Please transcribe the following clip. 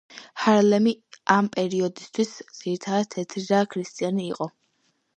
ჰარლემი ამ პერიოდისთვის ძირითადად თეთრი და ქრისტიანი იყო.